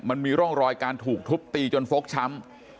มันมีร่องรอยการถูกทุบตีจนฟกช้ำ